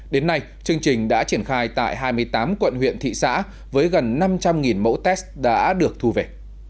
đến nay chương trình đã triển khai tại hai mươi tám quận huyện thị xã với gần năm trăm linh mẫu test đã được thu về